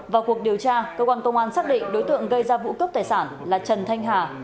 vào cuộc điều tra công an tp yên bái xác định đối tượng gây ra vũ cấp tài sản là trần thanh hà